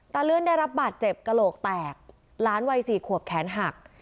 เลื่อนได้รับบาดเจ็บกระโหลกแตกหลานวัยสี่ขวบแขนหัก